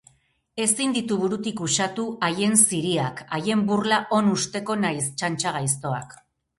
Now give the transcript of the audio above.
Ezin ditu burutik uxatu haien ziriak, haien burla on-usteko nahiz txantxa gaiztoak.